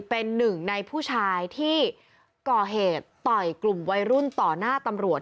เป็นหนึ่งในผู้ชายที่ก่อเหตุต่อยกลุ่มวัยรุ่นต่อหน้าตำรวจ